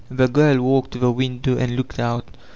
The girl walked to the window and looked out.